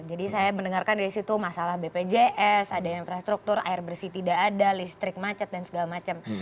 jadi saya mendengarkan dari situ masalah bpjs ada infrastruktur air bersih tidak ada listrik macet dan segala macam